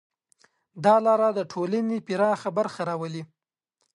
دا لاره د ټولنې پراخه برخه راولي.